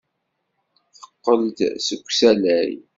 Teqqel-d seg usalay.